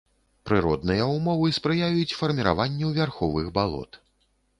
Прыродныя ўмовы спрыяюць фарміраванню вярховых балот.